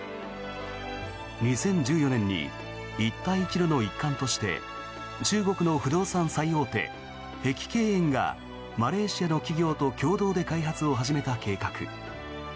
２０１４年に一帯一路の一環として中国の不動産最大手、碧桂園がマレーシアの企業と共同で開発を始めた計画。